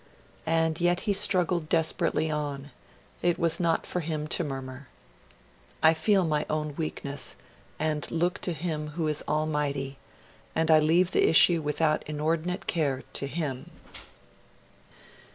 And yet he struggled desperately on; it was not for him to murmur. 'I feel my own weakness, and look to Him who is Almighty, and I leave the issue without inordinate care to Him.'